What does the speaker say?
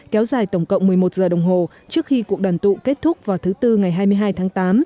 kéo dài tổng cộng một mươi một giờ đồng hồ trước khi cuộc đoàn tụ kết thúc vào thứ bốn ngày hai mươi hai tháng tám